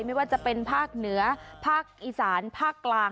ไม่ว่าจะเป็นภาคเหนือภาคอีสานภาคกลาง